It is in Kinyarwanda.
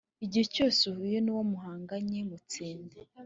igihe cyose uhuye nuwo muhanganye. mutsinde